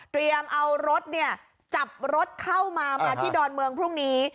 เอารถจับรถเข้ามามาที่ดอนเมืองพรุ่งนี้